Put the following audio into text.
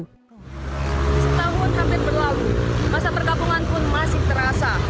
setahun hampir berlalu masa perkabungan pun masih terasa